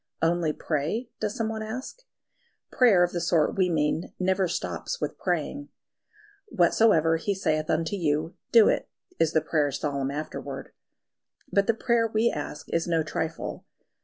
"Only pray?" does someone ask? Prayer of the sort we mean never stops with praying. "Whatsoever He saith unto you, do it," is the prayer's solemn afterword; but the prayer we ask is no trifle.